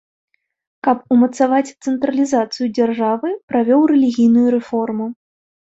Каб умацаваць цэнтралізацыю дзяржавы, правёў рэлігійную рэформу.